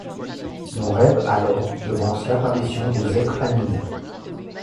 Mon rêve alors devance l’apparition des êtres animés.